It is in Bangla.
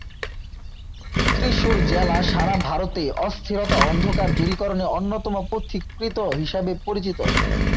ত্রিশূর জেলা সারা ভারতে অস্থিরতা অন্ধকার দূরীকরণে অন্যতম পথিকৃৎ হিসেবে পরিচিত।